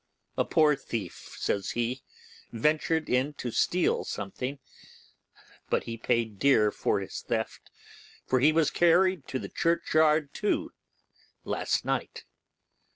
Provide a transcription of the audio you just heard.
A poor thief', says he, 'ventured in to steal something, but he paid dear for his theft, for he was carried to the churchyard too last night.